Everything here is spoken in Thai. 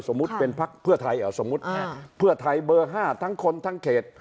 สมมุติเป็นพักเพื่อไทยอ่ะสมมุติอ่าเพื่อไทยเบอร์ห้าทั้งคนทั้งเขต